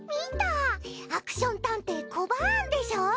『アクション探偵コバーン』でしょ？